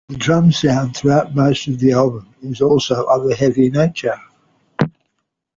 The drum sound throughout most of the album is also of a heavy nature.